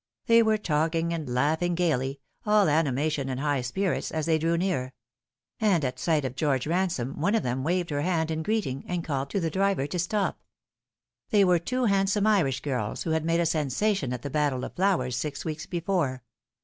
They were talk ing and laughing gaily, all animation and high spirits, as they drew near ; and at sight of George Ransome one of them waved her hand in greeting, and called to the driver to stop. They were two handsome Irish girls who had made a sensation at the Battle of Flowers six weeks before.